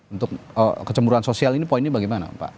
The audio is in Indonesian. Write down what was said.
untuk kecemburuan sosial ini poinnya bagaimana pak